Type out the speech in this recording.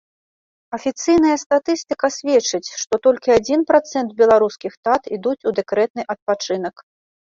Афіцыйная статыстыка сведчыць, што толькі адзін працэнт беларускіх тат ідуць у дэкрэтны адпачынак.